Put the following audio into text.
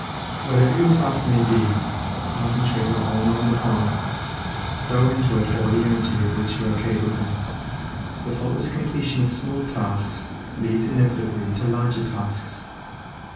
Whatever your task may be, concentrate your whole mind upon it, throw into it all the energy of which you are capable. The faultless completion of small tasks leads inevitably to larger tasks.